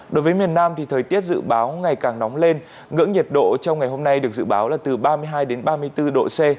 đối với miền nam thì thời tiết dự báo ngày càng nóng lên ngưỡng nhiệt độ trong ngày hôm nay được dự báo là từ ba mươi hai ba mươi bốn độ c